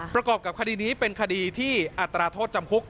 ประกอบกับคดีนี้เป็นคดีที่อัตราโทษจำคุก